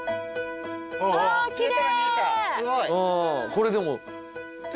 これでも。